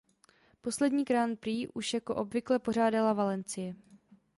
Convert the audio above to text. Poslední Grand prix už jako obvykle pořádala Valencie.